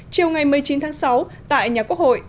chiều ngày một mươi chín tháng sáu tại nhà quốc hội